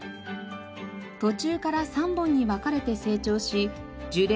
途中から３本に分かれて成長し樹齢